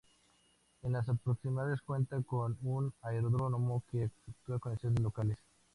En las proximidades cuenta con un aeródromo que efectúa conexiones locales.